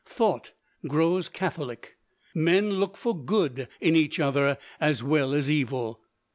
Thought grows catholic. Men look for good in each other as well as evil.